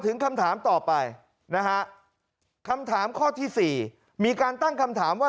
คำถามต่อไปนะฮะคำถามข้อที่๔มีการตั้งคำถามว่า